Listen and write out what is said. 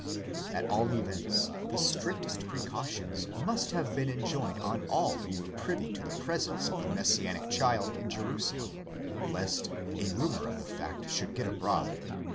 At all events, the strictest precautions must have been enjoined on all who were privy to the presence of the messianic child in Jerusalem, lest a rumour of the fact should get abroad.